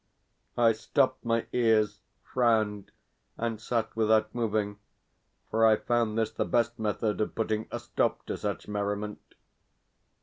I stopped my ears, frowned, and sat without moving, for I found this the best method of putting a stop to such merriment.